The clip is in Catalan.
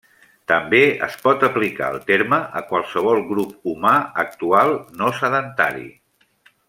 També es pot aplicar el terme a qualsevol grup humà actual no sedentari.